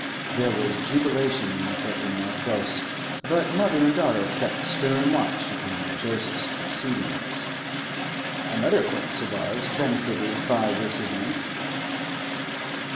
There was jubilation in Clerkenwell Close, but mother and daughter kept stern watch upon Joseph's proceedings. Another acquaintance of ours benefited by this event.